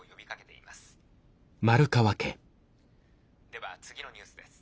では次のニュースです」。